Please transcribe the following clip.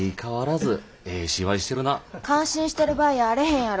感心してる場合やあれへんやろ。